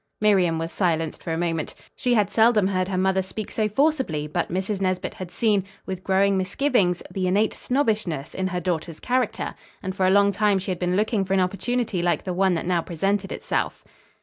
Miriam was silenced for a moment. She had seldom heard her mother speak so forcibly; but Mrs. Nesbit had seen, with growing misgivings, the innate snobbishness in her daughter's character, and for a long time she had been looking for an opportunity like the one that now presented itself.